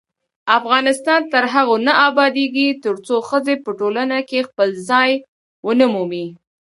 افغانستان تر هغو نه ابادیږي، ترڅو ښځې په ټولنه کې خپل ځای ونه مومي.